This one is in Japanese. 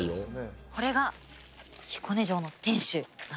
これが彦根城の天守なんです